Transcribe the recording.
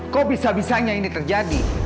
kok bisa bisanya ini terjadi